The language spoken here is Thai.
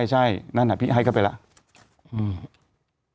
ใช่นั่นพี่ให้เข้าไปแล้ว